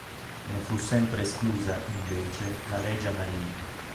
Ne fu sempre esclusa, invece, la Regia Marina.